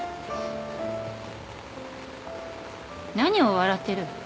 何を笑ってる？